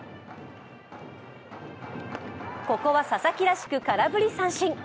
ここは佐々木らしく空振り三振。